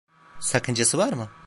Sakıncası var mı?